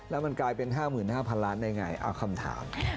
แล้วมันกลายเป็น๕๕๐๐ล้านได้ไงเอาคำถาม